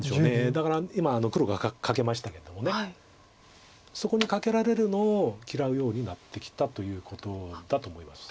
だから今黒がカケましたけどそこにカケられるのを嫌うようになってきたということだと思います。